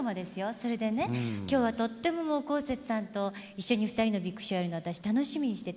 それでね今日はとってもこうせつさんと一緒に「ふたりのビッグショー」やるの私楽しみにしてたんです。